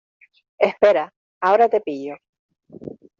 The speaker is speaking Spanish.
espera, ahora te pillo.